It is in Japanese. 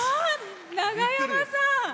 長山さん。